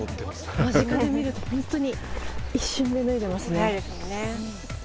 間近で見ると本当に一瞬で脱いでますね。